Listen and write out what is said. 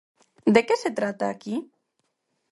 ¿De que se trata aquí?